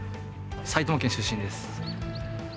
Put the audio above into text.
埼玉県出身です。